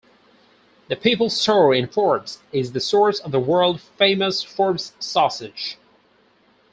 The People's Store in Forbes is the source of the World-famous Forbes Sausage.